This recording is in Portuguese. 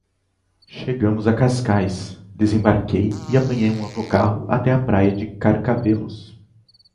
Chegámos a Cascais, desembarquei e apanhei um autocarro até à praia de Carcavelos.